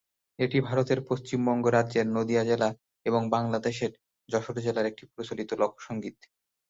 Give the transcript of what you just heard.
এটি ভারতের পশ্চিমবঙ্গ রাজ্যের নদিয়া জেলা এবং বাংলাদেশের যশোর জেলার একটি প্রচলিত লোকসঙ্গীত।